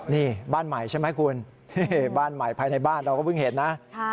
นี่บ้านใหม่ใช่ไหมคุณนี่บ้านใหม่ภายในบ้านเราก็เพิ่งเห็นนะ